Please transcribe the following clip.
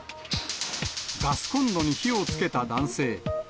ガスコンロに火をつけた男性。